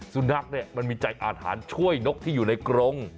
สุนัขเนี่ยมันมีใจอาหารช่วยนกที่อยู่ในกรง